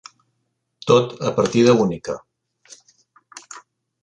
Tot a partida única.